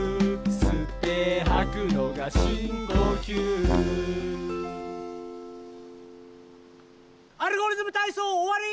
「すってはくのがしんこきゅう」「アルゴリズムたいそう」おわり！